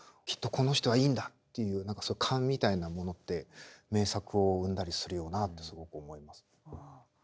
きっとこの人はいいんだっていう何か勘みたいなものって名作を生んだりするよなってすごく思います。